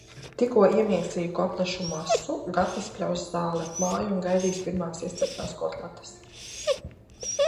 Tikko iemīcīju kotlešu masu, Gatis pļaus zāli ap māju un gaidīs pirmās izceptās kotletes.